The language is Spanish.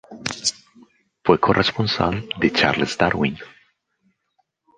Fue corresponsal de Charles Darwin.